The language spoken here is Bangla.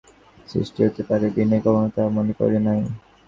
এমনতরো কথার যে মিথ্যা করিয়াও সৃষ্টি হইতে পারে বিনয় কখনো তাহা মনে করে নাই।